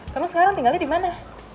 kamu sekarang tinggalnya dimana